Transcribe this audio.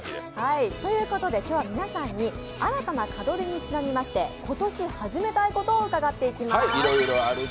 ということで、今日は皆さんに新たな門出にちなみまして今年始めたいことを伺っていきます。